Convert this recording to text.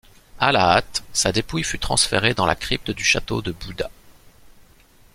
À la hâte, sa dépouille fut transférée dans la crypte du château de Buda.